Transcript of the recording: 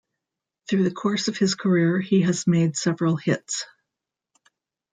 Through the course of his career, he has made several hits.